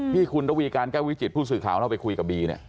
ที่คุณระวีการแก้ววิจิตผู้สื่อข่าวเราไปคุยกับบีเนี่ย